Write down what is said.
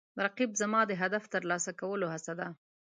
رقیب زما د هدف ترلاسه کولو هڅه ده